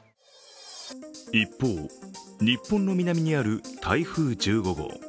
一方、日本の南にある台風１５号。